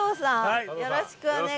よろしくお願いします。